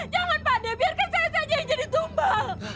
jangan pandai biarkan saya saja yang jadi tumbal